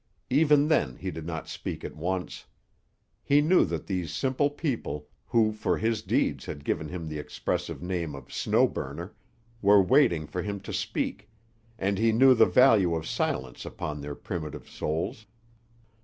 Even then he did not speak at once. He knew that these simple people, who for his deeds had given him the expressive name of Snow Burner, were waiting for him to speak, and he knew the value of silence upon their primitive souls.